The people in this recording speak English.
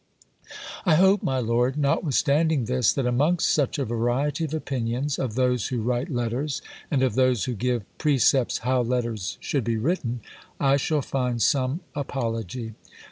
I hope, my Lord, notwithstanding this, that amongst such a variety of opinions, of those who write letters, and of those who give precepts how letters should be written, I shall find some apology.